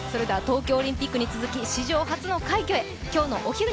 東京オリンピックに続き史上初の快挙へ。